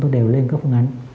đều lên các phương án